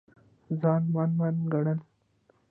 ځان من من ګڼل